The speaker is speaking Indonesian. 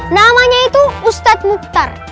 namanya itu ustadz muhtar